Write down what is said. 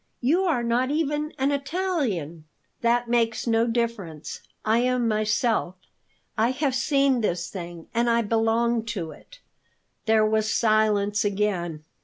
You are not even an Italian." "That makes no difference; I am myself. I have seen this thing, and I belong to it." There was silence again.